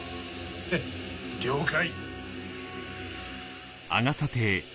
へッ了解。